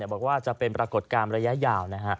บอกว่าจะเป็นปรากฏการณ์ระยะยาว